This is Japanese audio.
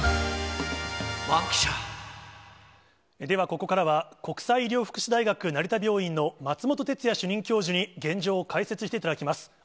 では、ここからは国際医療福祉大学成田病院の松本哲哉主任教授に現場を解説していただきます。